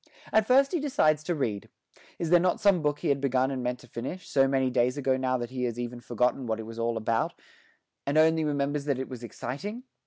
At first he decides to read. Is there not some book he had begun and meant to finish, so many days ago now that he has even forgotten what it was all about, and only remembers that it was exciting?